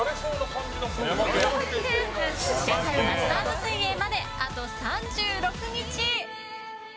世界マスターズ水泳まであと３６日。